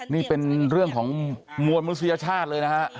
นี่เป็นเรื่องของมวลมนุษยชาติเลยนะฮะ